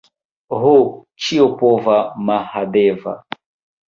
Ho, ĉiopova Mahadeva!